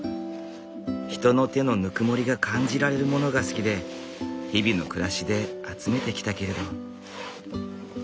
人の手のぬくもりが感じられるものが好きで日々の暮らしで集めてきたけれど。